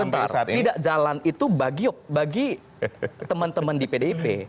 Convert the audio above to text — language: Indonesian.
tidak jalan itu bagi teman teman di pdip